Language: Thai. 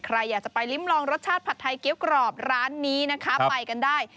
ใครอยากจะไปลิ้มลองรสชาติผัดไทยเกี้ยวกรอบร้านนี้นะคะไปกันได้